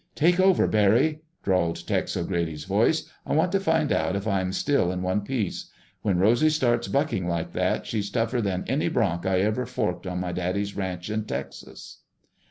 "Take over, Barry," drawled Tex O'Grady's voice. "I want to find out if I am still in one piece. When Rosy starts bucking like that she's tougher than any bronc I ever forked on my daddy's ranch in Texas!"